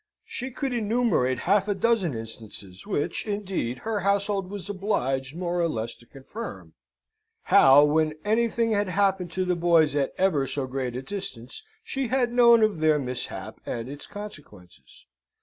She could enumerate half a dozen instances, which, indeed, her household was obliged more or less to confirm, how, when anything had happened to the boys at ever so great a distance, she had known of their mishap and its consequences.